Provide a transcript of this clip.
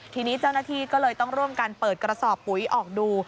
ทีนี้เจ้าหน้าที่ก็เลยต้องร่วมกันเปิดกระสอบปุ๋ยออกดู